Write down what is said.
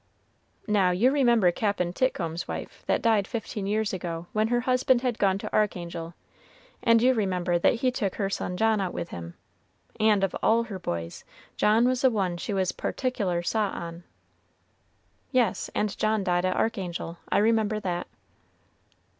"Now, you remember Cap'n Titcomb's wife, that died fifteen years ago when her husband had gone to Archangel; and you remember that he took her son John out with him and of all her boys, John was the one she was particular sot on." "Yes, and John died at Archangel; I remember that."